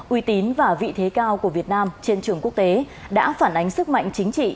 uy tín và vị thế cao của việt nam trên trường quốc tế đã phản ánh sức mạnh chính trị